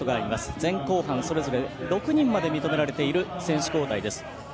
前後半それぞれ６人まで認められている選手交代。